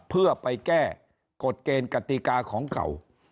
เพื่อไปแก้กฎเกณฑ์กติกาของเก่า